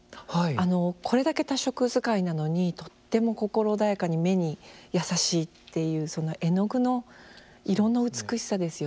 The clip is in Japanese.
これだけ多色使いなのにとっても心穏やかに目に優しいというその絵の具の色の美しさですよね。